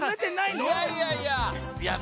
いやいやいや。